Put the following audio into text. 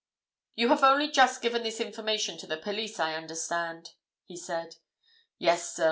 "You have only just given this information to the police, I understand?" he said. "Yes, sir.